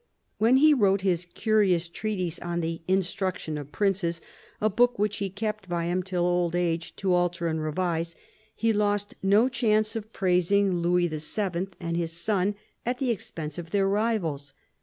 When he wrote his curious treatise on the " Instruction of Princes," a book which he kept by him till old age to alter and revise, he lost no chance of praising Louis VII. and his son at the expense of their rivals.